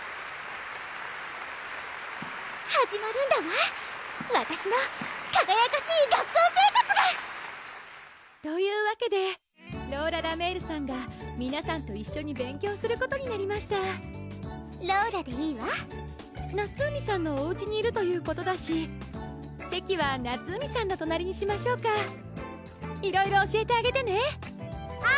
始まるんだわわたしのかがやかしい学校生活が！というわけでローラ・ラメールさんが皆さんと一緒に勉強することになりましたローラでいいわ夏海さんのおうちにいるということだし席は夏海さんの隣にしましょうかいろいろ教えてあげてねはい！